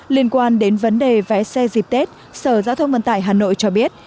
liên quan đến vấn đề vé xe dịp tết sở giao thông vận tải hà nội cho biết